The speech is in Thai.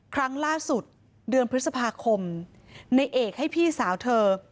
ครั้งล่าสุดเดือนพฤษภาคมในเอกให้พี่สาวเธอ